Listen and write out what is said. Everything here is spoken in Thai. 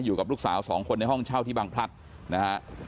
อยู่กับลูกสาวสองคนในห้องเช่าที่บางพลัดนะฮะ